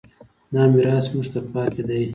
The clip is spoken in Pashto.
دا میراث موږ ته پاتې دی.